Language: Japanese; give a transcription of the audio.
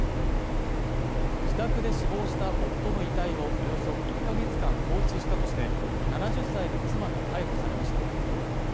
自宅で死亡した夫の遺体をおよそ１か月間放置したとして７０歳の妻が逮捕されました。